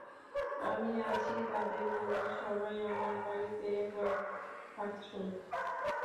আমি আছি, তাদের বলব সবাই আমার বাড়িতে এক রাত থাকছো।